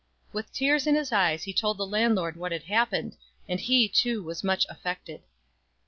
With tears in his eyes he told the landlord what had hap pened, and he, too, was much affected.